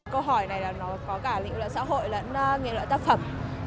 câu hỏi này có cả nghị luận xã hội và nghị luận tác phẩm